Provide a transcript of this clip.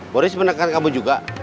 boris menekan kamu juga